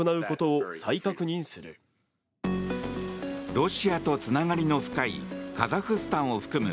ロシアとつながりの深いカザフスタンを含む